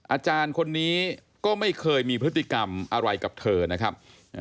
อาจารย์คนนี้ก็ไม่เคยมีพฤติกรรมอะไรกับเธอนะครับ